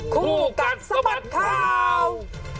คู่กับสมัครข่าว